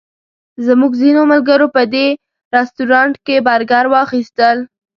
زموږ ځینو ملګرو په دې رسټورانټ کې برګر واخیستل.